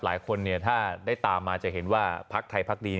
หลายคนถ้าได้ตามมาจะเห็นว่าพักไทยพักดี